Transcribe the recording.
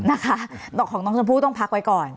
นะคะดอกของน้องชมพู่ต้องพักไว้ก่อน